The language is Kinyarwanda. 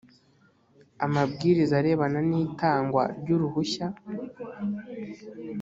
amabwiriza arebana n itangwa ry uruhushya